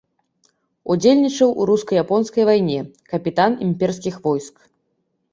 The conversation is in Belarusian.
Удзельнічаў у руска-японскай вайне, капітан імперскіх войск.